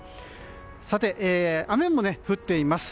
さて、雨も降っています。